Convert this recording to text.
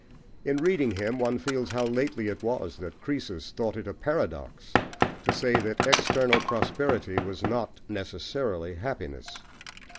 In reading him one feels how lately it was that Croesus thought it a paradox to say that external prosperity was not necessarily happiness.